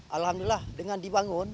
alhamdulillah dengan dibangun